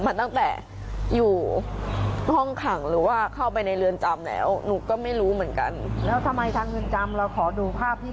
หนูก็เลยพยายามหาทุกทางแบบวอลสื่อหรืออะไรอย่างเงี้ย